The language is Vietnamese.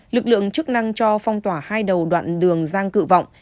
lực lượng chức năng cho phong tỏa hai đầu đoạn đường giang cự vọng